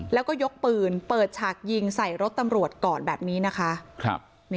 แล้วก็ยกปืนเปิดฉากยิงใส่รถตำรวจก่อนแบบนี้นะคะ